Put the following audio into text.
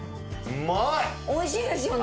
おいしいですよね。